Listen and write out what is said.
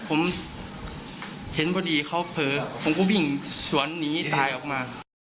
ผมเห็นพอดีเขาเผลอผมก็วิ่งสวนหนีตายออกมา